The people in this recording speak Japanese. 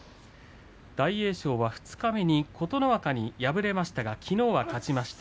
大栄翔は二日目に琴ノ若に敗れましたがきのうは勝ちました。